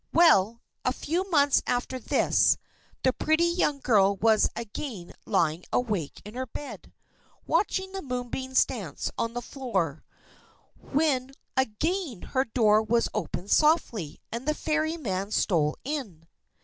Well, a few months after this, the pretty young girl was again lying awake in her bed, watching the moonbeams dance on the floor, when again her door was opened softly, and the Fairy man stole in.